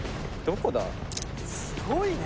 すごいね。